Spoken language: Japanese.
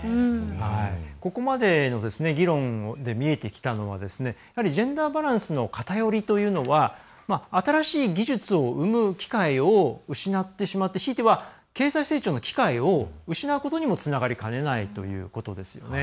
ここまでの議論で見えてきたのはやはり、ジェンダーバランスの偏りというのは新しい技術を生む機会を失ってしまってひいては、経済成長の機会を失うことにもつながりかねないということですね。